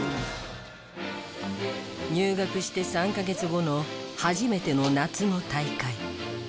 入学して３カ月後の初めての夏の大会。